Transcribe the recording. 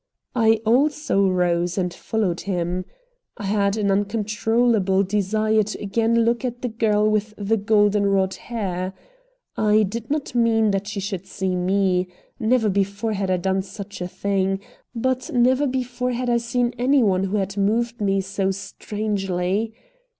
I also rose and followed him. I had an uncontrollable desire to again look at the girl with the golden rod hair. I did not mean that she should see me. Never before had I done such a thing. But never before had I seen any one who had moved me so strangely.